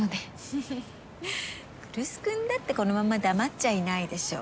ふふっ来栖君だってこのまま黙っちゃいないでしょ。